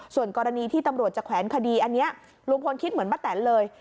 ส่วนกรณีที่ตำรวจจะแขวนคดีอันนี้ลุงพลคิดเหมือนป้าแตนเลย